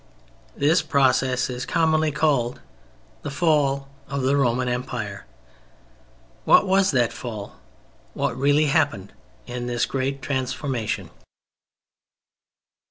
This process is commonly called "The Fall of the Roman Empire;" what was that "fall?" What really happened in this great transformation?